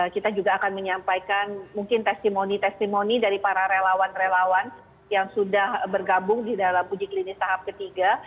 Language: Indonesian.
kita juga akan menyampaikan mungkin testimoni testimoni dari para relawan relawan yang sudah bergabung di dalam uji klinis tahap ketiga